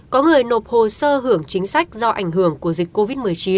có người nộp hồ sơ hưởng chính sách do ảnh hưởng của dịch covid một mươi chín